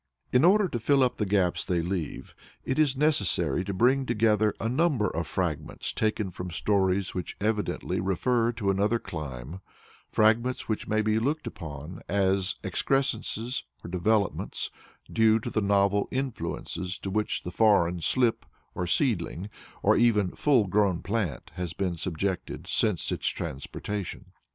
In order to fill up the gaps they leave, it is necessary to bring together a number of fragments taken from stories which evidently refer to another clime fragments which may be looked upon as excrescences or developments due to the novel influences to which the foreign slip, or seedling, or even full grown plant, has been subjected since its transportation.